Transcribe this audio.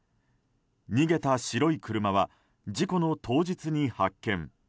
逃げた白い車は事故の当日に発見。